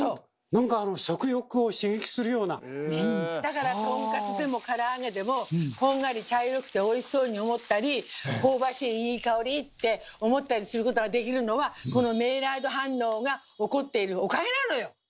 だからトンカツでもから揚げでもこんがり茶色くておいしそうに思ったり香ばしいいい香りって思ったりすることができるのはこのメイラード反応が起こっているおかげなのよ！